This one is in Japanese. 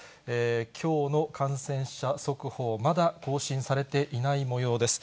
きょうの感染者速報、まだ更新されていないもようです。